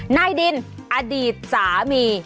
นายดินอดีตสามี